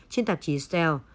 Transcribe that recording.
trên tạp chí cell